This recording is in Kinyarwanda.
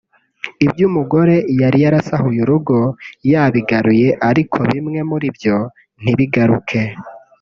ibyo umugore yari yarasahuye urugo yabigaruye ariko bimwe muri byo ntibigaruke